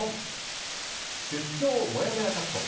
出張もやもやチャット